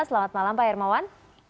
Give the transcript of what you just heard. selamat malam pak hermawan